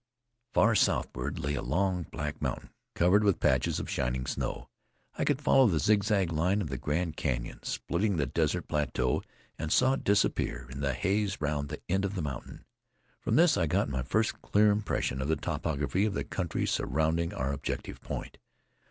Far southward lay a long, black mountain, covered with patches of shining snow. I could follow the zigzag line of the Grand Canyon splitting the desert plateau, and saw it disappear in the haze round the end of the mountain. From this I got my first clear impression of the topography of the country surrounding our objective point.